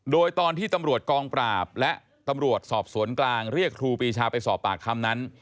โดยตอนที่ตำรวจกองปราบและตำรวจสอบสวนกลางเรียกครูปีชาไปสอบปากคำนั้น